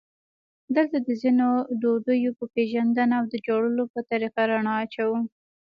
دلته د ځینو ډوډیو په پېژندنه او د جوړولو په طریقه رڼا اچوو.